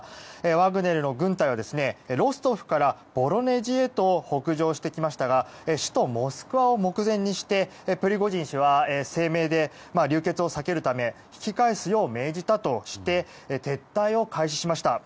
ワグネルの軍隊はロストフからボロネジへと北上していきましたが首都モスクワを目前にしてプリゴジン氏は声明で流血を避けるため引き返すよう命じたとして撤退を開始しました。